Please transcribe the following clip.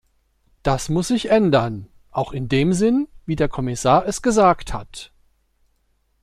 Das muss sich ändern, auch in dem Sinn, wie der Kommissar es gesagt hat.